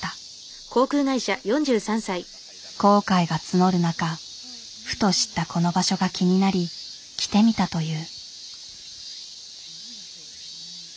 後悔が募る中ふと知ったこの場所が気になり来てみたという。